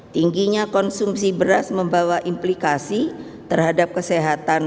tingginya konsumsi beras membawa implikasi terhadap kesehatan